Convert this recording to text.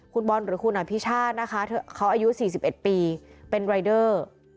คุณบอลหรือคุณอภิชาตินะคะเขาอายุ๔๑ปีเป็นรายเดอร์